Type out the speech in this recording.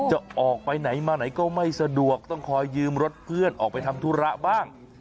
จะออกไปไหนมาไหนก็ไม่สะดวกต้องคอยยืมรถเพื่อนออกไปทำธุระบ้าง